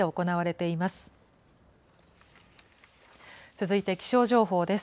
続いて気象情報です。